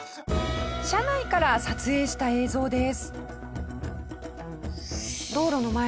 車内から撮影した映像です。